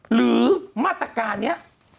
หรือมาตรการนี้